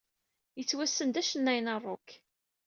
Yettwassen d acennay n rock.